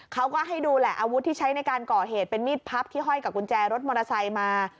เขาก็ให้ดูแหละอาวุธที่ใช้ในการก่อเหตุเป็นมีดพับที่ห้อยกับกุญแจรถมอเตอร์ไซค์มา